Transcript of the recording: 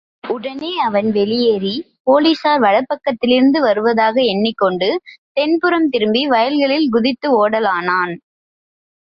உடனே அவன் வெளியேறி, போலிஸார் வடபக்கத்திலிருந்து வருவதாக எண்ணிக்கொண்டு தென்புறம் திரும்பி வயல்களில் குதித்து ஒடலானான்.